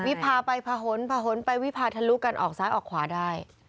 วิพาไปผนผนไปวิพาทะลุกันออกซ้ายออกขวาได้